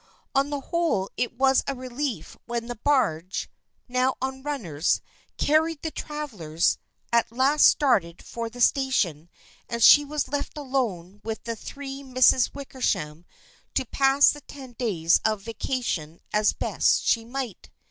On the whole it was a relief when the barge, now on runners, carrying the travelers, at last started for the station and she was left alone with the three Misses Wickersham to pass the ten days of vaca tion as best she might.